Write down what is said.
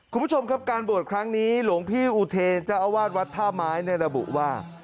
คุณผู้ชมครับการบวชครั้งนี้หลวงพี่อุเทรนเจ้าอาวาสวัดท่าไม้ในระบุว่า